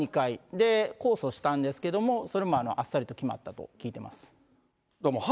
で、控訴したんですけれども、それもあっさりと決まったと聞いてます。